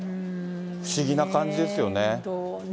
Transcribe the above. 不思議な感じですよね。